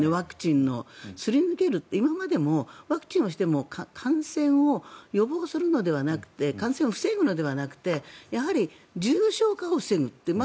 今までもワクチンをしても感染を予防するのではなくて感染を防ぐのではなくてやはり重症化を防ぐという。